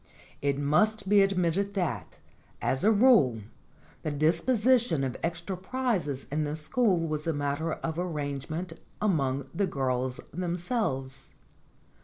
It must be admitted that, as a rule, the disposition of extra prizes in this school was a matter of arrange ment among the girls themselves.